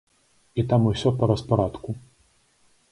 І там усё па распарадку.